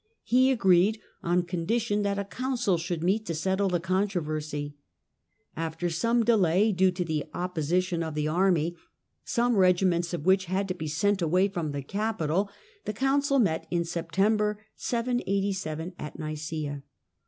He agreed on condition that a council should meet to settle the controversy. After some delay, due to the op position of the army, some regiments of which had to be sent away from the capital, the council met, in Sep tember, 787, at Nicsea.